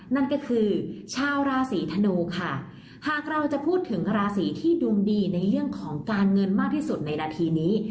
นั่นก็คือชาวราศีธนูค่ะหากเราจะพูดถึงราศีที่ดวงดีในเรื่องของการเงินมากที่สุดในนาทีนี้